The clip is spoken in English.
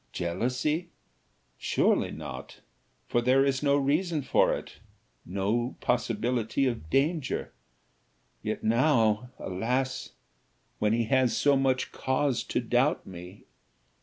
Jealousy? surely not; for there is no reason for it no possibility of danger. Yet now, alas! when he has so much cause to doubt me!